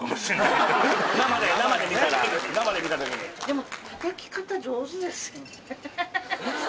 でも。